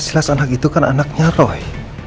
silas anak itu kan anaknya roy